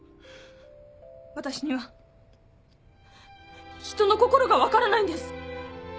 私には人の心が分からないんです。